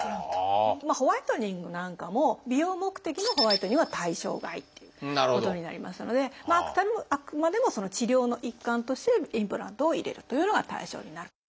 ホワイトニングなんかも美容目的のホワイトニングは対象外っていうことになりますのであくまでも治療の一環としてインプラントを入れるというのが対象になる。